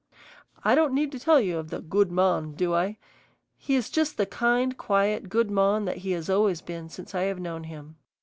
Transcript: I don't need to tell you of the "good mon," do I? He is just the kind, quiet good mon that he has always been since I have known him.